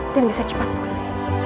dan bisa cepat pulih